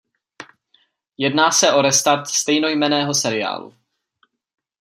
Jedná se o restart stejnojmenného seriálu.